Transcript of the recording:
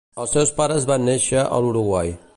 Els seus pares van néixer a l'Uruguai.